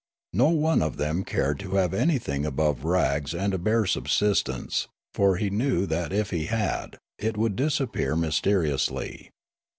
No one of them cared to have anything above rags and a bare subsistence, for he knew that if he had, it would dis appear mysteriously.